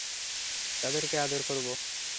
তাদেরকে আদর করবো।